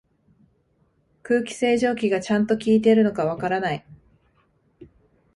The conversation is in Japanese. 空気清浄機がちゃんと効いてるのかわからない